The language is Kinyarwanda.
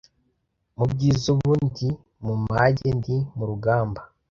mubyiza ubu ndi numage ndi murugamba